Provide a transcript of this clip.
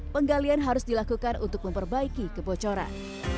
penggalian harus dilakukan untuk memperbaiki kebocoran